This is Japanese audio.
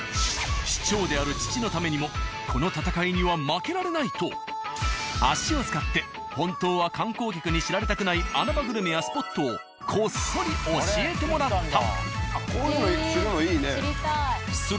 市長である父のためにもこの戦いには負けられない！と足を使って本当は観光客に知られたくない穴場グルメやスポットをこっそり教えてもらった。